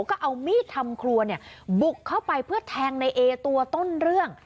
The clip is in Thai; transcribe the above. ก็เอามีดทำครัวเนี่ยบุกเข้าไปเพื่อแทงในเอตัวต้นเรื่อง